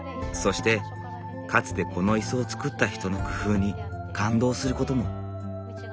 そしてかつてこの椅子を作った人の工夫に感動することも。